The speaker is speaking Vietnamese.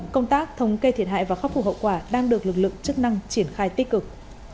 công tác thống kê thiệt hại và khắc phục hậu quả đang được lực lượng chức năng triển khai tích cực